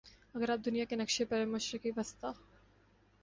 اگر آپ دنیا کے نقشے پر مشرق وسطیٰ